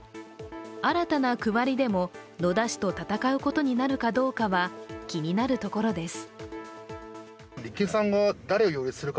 新たな区割りでも野田氏と戦うことになるかどうかは気になるところです。